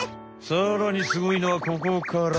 さらにすごいのはここから！